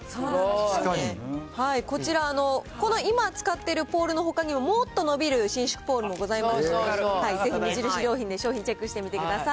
こちら、この今、使っているポールのほかにも、もっと伸びる伸縮ポールもございますので、ぜひ、無印良品で商品チェックしてみてください。